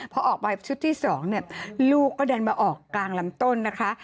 พอออกไปชุดที่๒เนี่ยลูกก็ดันมาออกกลางลำต้นนะคะ